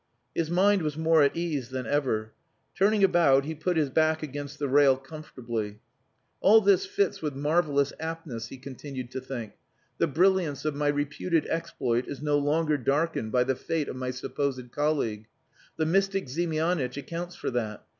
His mind was more at ease than ever. Turning about he put his back against the rail comfortably. "All this fits with marvellous aptness," he continued to think. "The brilliance of my reputed exploit is no longer darkened by the fate of my supposed colleague. The mystic Ziemianitch accounts for that.